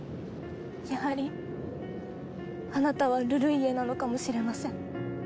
やはりあなたはルルイエなのかもしれません。